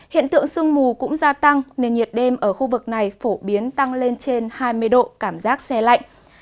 hiện tượng sương mù cũng gia tăng nền nhiệt đêm ở khu vực này phổ biến tăng lên trên hai mươi độ cảm giác xe lạnh